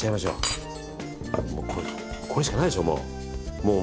これしかないでしょう。